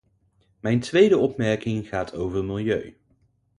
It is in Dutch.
Mijn tweede opmerking gaat over milieu.